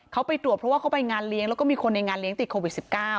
เขาไปตรวจเพราะว่าเขาไปงานเลี้ยงแล้วก็มีคนในงานเลี้ยงติดโควิด๑๙